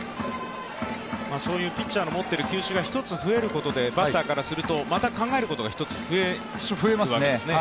そういうピッチャーの持っている球種が１つ増えることによってバッターからするとまた考えることが増えますね。